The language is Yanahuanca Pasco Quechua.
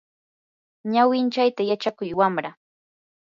ñawinchayta yachakuy wamra.